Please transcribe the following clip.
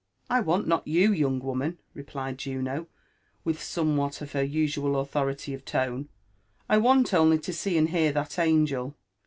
'Zt7 %*' I want nol you, yoong woman/' replied Juno wilh gomewhat of her usual authorily of tone; '' I want only to see and hear that angel."